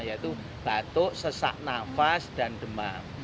yaitu batuk sesak nafas dan demam